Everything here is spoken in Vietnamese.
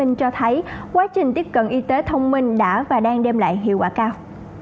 cho thấy quá trình tiếp cận y tế thông minh đã và đang đem lại hiệu quả cao